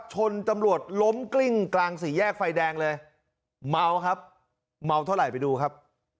ชนตำรวจล้มกลิ้งกลางสี่แยกไฟแดงเลยเมาครับเมาเท่าไหร่ไปดูครับ